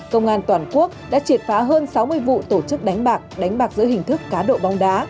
công an toàn quốc đã triệt phá hơn sáu mươi vụ tổ chức đánh bạc đánh bạc giữa hình thức cá độ bóng đá